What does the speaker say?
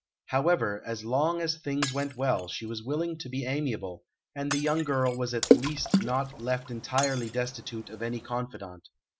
However, as long as things went well, she was willing to be amiable, and the young girl was at least not left entirely destitute of any confidant.